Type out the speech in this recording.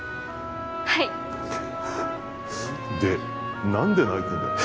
はいで何で泣いてんだよ？